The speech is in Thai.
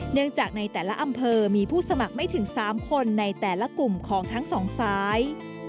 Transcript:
เนื่องจากในแต่ละอำเภอมีผู้สมัครไม่ถึง๓คนในแต่ละกลุ่มของทั้งสองสาย